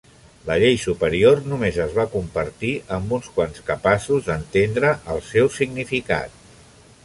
La llei superior només es va compartir amb uns quants capaços d'entendre el seu significat.